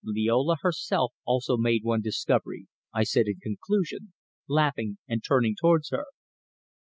"Liola herself also made one discovery," I said in conclusion, laughing and turning towards her.